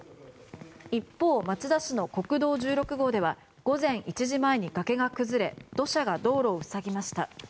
一方、町田市の国道１６号では午前１時前に崖が崩れ土砂が道路を塞ぎました。